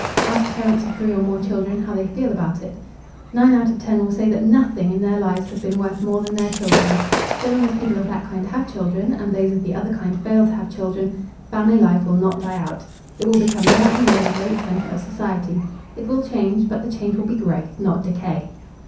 Ask parents of three or more children how they feel about it. Nine out of ten will say that nothing in their lives has been worth more than their children. So long as people of that kind have children, and those of the other kind fail to have children, family life will not die out. It will become more and more the great center of society. It will change, but the change will be growth, not decay.